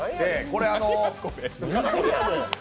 これ。